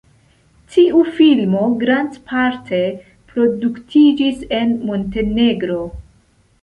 Tiu filmo grandparte produktiĝis en Montenegro.